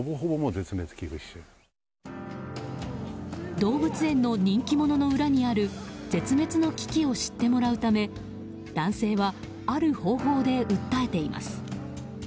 動物園の人気者の裏にある絶滅の危機を知ってもらうため男性は、ある方法で訴えています。